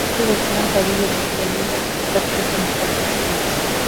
Es parte del clan Padilla, dentro del mundo del espectáculo en su natal Filipinas.